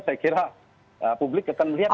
saya kira publik akan melihat